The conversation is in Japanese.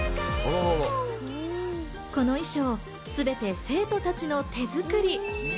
この衣装、すべて生徒たちの手づくり。